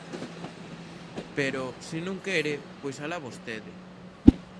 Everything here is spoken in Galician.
Pero, se non quere, pois ¡alá vostede!